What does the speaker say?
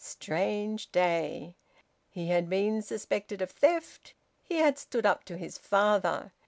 Strange day! He had been suspected of theft. He had stood up to his father.